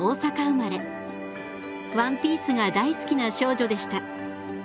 ワンピースが大好きな少女でした。